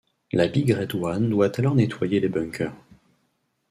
La Big Red One doit alors nettoyer les bunkers.